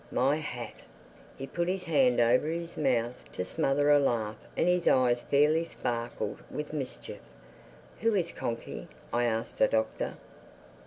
My hat!" He put his hand over his mouth to smother a laugh and his eyes fairly sparkled with mischief. "Who is Conkey?" I asked the Doctor.